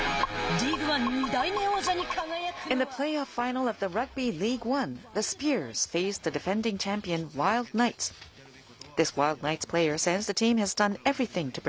リーグワン、２代目王者に輝くのは。